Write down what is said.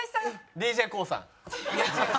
ＤＪＫＯＯさん。